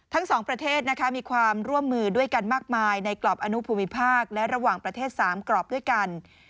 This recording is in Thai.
ทั้งสองประเทศมีความร่วมมือด้วยกันมากมายในกรอบอนุภูมิภาคและระหว่างประเทศ๓กรอบด้วยกัน